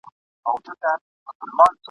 ګاونډیان به هره شپه په واویلا وه !.